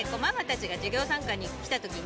授業参観に来た時に。